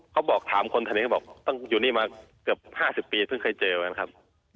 เขาบอกถามคนคนนี้บอกต้องอยู่นี่มาเกือบ๕๐ปีเพิ่งเคยเจอกันครับ